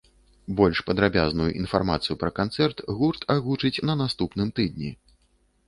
Больш падрабязную інфармацыю пра канцэрт гурт агучыць на наступным тыдні.